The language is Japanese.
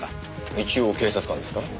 一応警察官ですから。